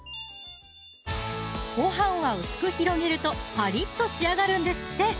ご飯は薄く広げるとパリッと仕上がるんですって